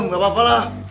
gak apa apa lah